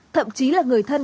thậm chí là người thân